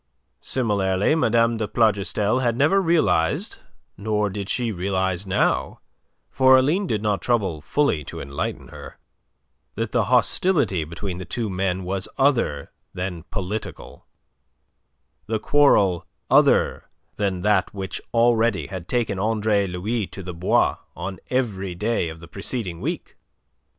Similarly Mme. de Plougastel had never realized nor did she realize now for Aline did not trouble fully to enlighten her that the hostility between the two men was other than political, the quarrel other than that which already had taken Andre Louis to the Bois on every day of the preceding week.